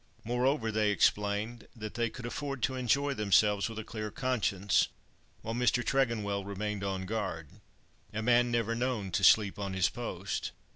Moreover, they explained that they could afford to enjoy themselves with a clear conscience, while Mr. Tregonwell remained on guard—a man never known to sleep on his post.